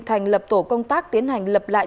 thành lập tổ công tác tiến hành lập lại